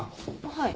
はい。